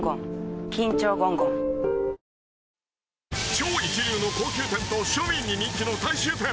超一流の高級店と、庶民に人気の大衆店。